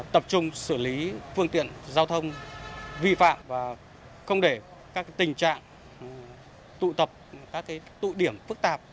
tập trung xử lý phương tiện giao thông vi phạm và không để các tình trạng tụ tập các tụ điểm phức tạp